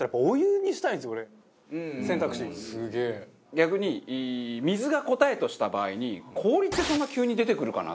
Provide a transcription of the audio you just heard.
逆に水が答えとした場合に氷ってそんな急に出てくるかな？